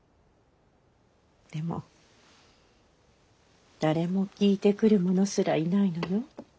でも誰も聞いてくる者すらいないのよ。